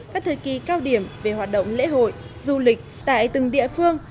các thời kỳ cao điểm về hoạt động lễ hội du lịch tại từng địa phương